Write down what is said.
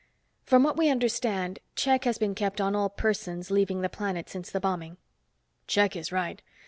"From what we understand, check has been kept on all persons leaving the planet since the bombing." "Check is right.